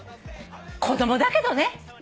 子供だけどね。